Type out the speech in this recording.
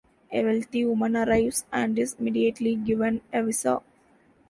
A wealthy woman arrives and is immediately given a visa.